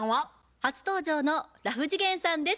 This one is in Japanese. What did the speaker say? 初登場のラフ次元さんです。